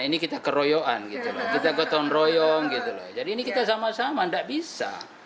ini kita keroyokan kita ketonroyong jadi ini kita sama sama tidak bisa